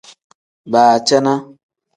Baacana.